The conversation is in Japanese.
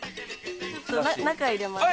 ちょっと中入れます。